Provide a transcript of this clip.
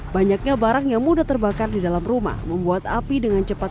banyaknya barang yang mudah terbakar di dalam rumah membuat api dengan cepat